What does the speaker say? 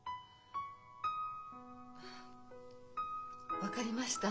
あ分かりました。